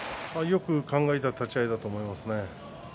よく考えた立ち合いだったと思いますね。